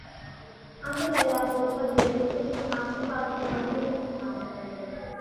Anche nelle altre occasioni, il suo formato fu altamente instabile.